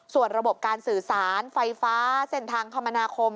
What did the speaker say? ส่วนระบบการสื่อสารไฟฟ้าเส้นทางคมนาคม